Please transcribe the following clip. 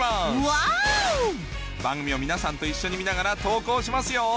番組を皆さんと一緒に見ながら投稿しますよ